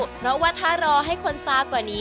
เช่นอาชีพพายเรือขายก๋วยเตี๊ยว